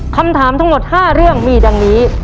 คำถามทั้งหมด๕เรื่องมีดังนี้